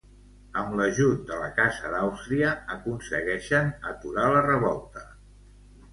Amb l'ajut de la casa d'Àustria, aconsegueixen aturar la revolta.